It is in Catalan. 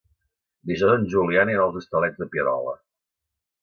Dijous en Julià anirà als Hostalets de Pierola.